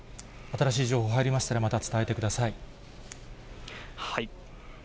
新しい情報が入りましたら、また伝えてください。